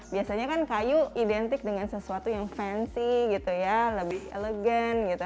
biasanya kan kayu identik dengan sesuatu yang fansy gitu ya lebih elegan gitu